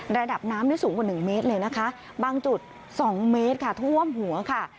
ระดับน้ำนี่สูงกว่า๑เมตรเลยนะคะบางจุด๒เมตรค่ะท่วมหัวค่ะ